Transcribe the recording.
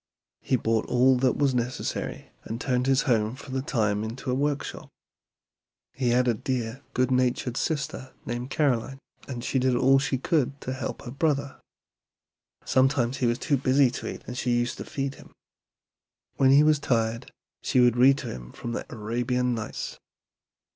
He bought all that was necessary, and turned his home for the time into a workshop. He had a dear, good natured sister named Caroline, and she did all she could to help her brother. Sometimes he was too busy to eat and she used to feed him. When he was tired she would read to him from the 'Arabian Nights.'"